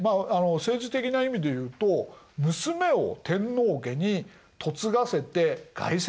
政治的な意味でいうと娘を天皇家に嫁がせて外戚になった。